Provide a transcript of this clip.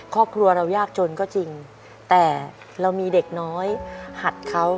ครอบครัวเรายากจนก็จริงแต่เรามีเด็กน้อยหัดเขา